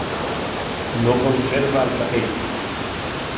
No conserva el capell.